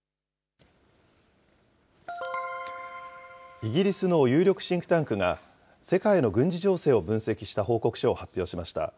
イギリスの有力シンクタンクが、世界の軍事情勢を分析した報告書を発表しました。